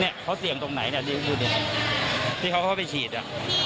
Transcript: เนี่ยเขาเสี่ยงตรงไหนเนี่ยที่เขาเข้าไปฉีดอ่ะ